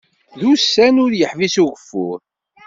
D ussan ur yeḥbis ugeffur.